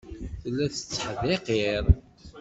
Tella tetteḥdiqir.